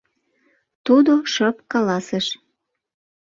— тудо шып каласыш.